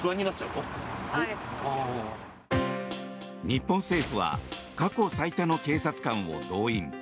日本政府は過去最多の警察官を動員。